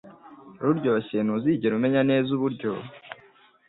Ruryoshye Ntuzigera umenya neza uburyo